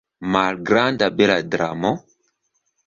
Malgranda bela dramo?